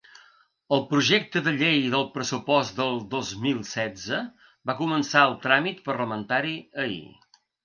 El projecte de llei del pressupost del dos mil setze va començar el tràmit parlamentari ahir.